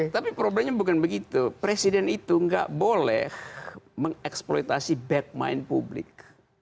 tapi problemnya bukan begitu presiden itu enggak boleh mengeksploitasi backmind publik